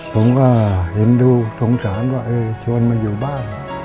ผมก็เห็นดูสงสารว่าเออชวนมาอยู่บ้าน